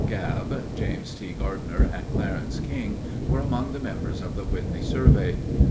Gabb, James T. Gardiner, and Clarence King were among the members of the Whitney Survey.